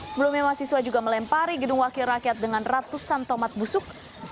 sebelumnya mahasiswa juga melempari gedung wakil rakyat dengan ratusan tomat busuk